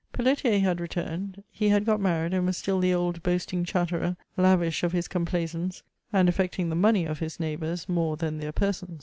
Pelletier had returned ; he had got married ; and was still the old boasting chatterer, lavish of his complaisance, and affecting the money of his neighbours more than their persons.